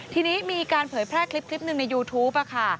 ทีนี้มีการเผยแพร่คลิปหนึ่งในยูทูปค่ะ